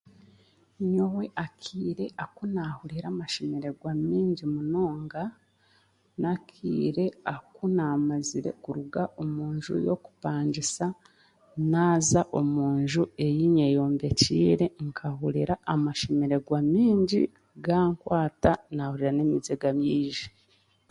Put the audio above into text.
Nyowe akaire akunahurire amashemeregwa mingi munonga n'akaire aku naamazire kuruga omunju y'okupangisa naaza omunju ei ny'eyombekiire nk'ahurira amashemererwa maingi g'ankwata nahuriira n'emiziga yiaja.